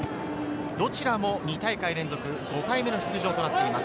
どちらも２大会連続５回目の出場となっています。